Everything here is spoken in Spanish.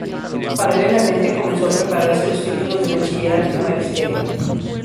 Paralelamente comenzó a prepararse los títulos de bachillerato y magisterio.